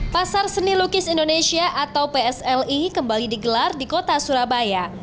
pasar seni lukis indonesia atau psli kembali digelar di kota surabaya